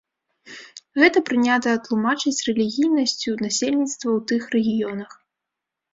Гэта прынята тлумачыць рэлігійнасцю насельніцтва ў тых рэгіёнах.